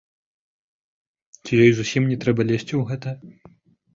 Ці ёй зусім не трэба лезці ў гэта?